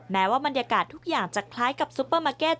แม้ว่าบรรยากาศทุกอย่างจะคล้ายกับซุปเปอร์มาร์เก็ต